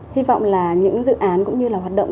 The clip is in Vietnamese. hy vọng là những dự án cũng như là hoạt động